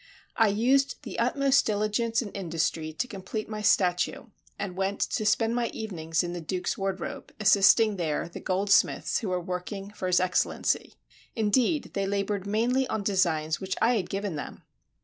I used the utmost diligence and industry to complete my statue, and went to spend my evenings in the Duke's wardrobe, assisting there the goldsmiths who were working for his Excellency. Indeed, they labored mainly on designs which I had given them.